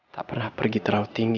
tak pernah pergi terlalu tinggi